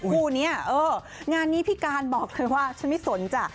คู่นี้เอองานนี้พี่การบอกเลยว่าฉันไม่สนจ้ะ